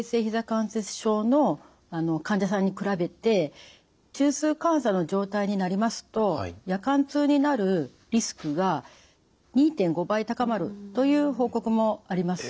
関節症の患者さんに比べて中枢感作の状態になりますと夜間痛になるリスクが２．５倍高まるという報告もあります。